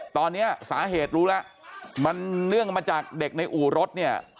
ตอนนี้สาเหตุรู้แล้วมันเนื่องมาจากเด็กในอู่รถเนี่ย